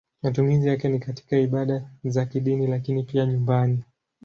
Matumizi yake ni katika ibada za kidini lakini pia nyumbani.